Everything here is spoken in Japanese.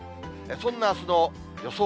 そんなあすの予想